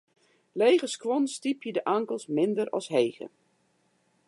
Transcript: Lege skuon stypje de ankels minder as hege.